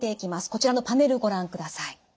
こちらのパネルご覧ください。